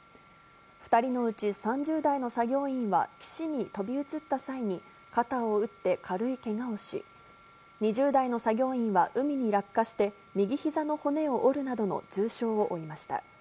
２人のうち３０代の作業員は、岸に飛び移った際に、肩を打って軽いけがをし、２０代の作業員は海に落下して、右ひざの骨を折るなどの重傷を負いました。